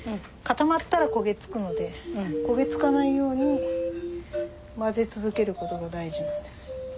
固まったら焦げ付くので焦げ付かないように混ぜ続けることが大事なのです。